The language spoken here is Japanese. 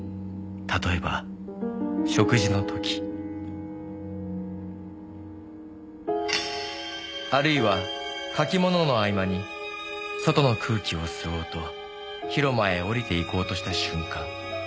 「譬えば食事の時」「あるいは書きものの合間に外の空気を吸おうと広間へ降りて行こうとした瞬間」